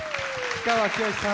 氷川きよしさん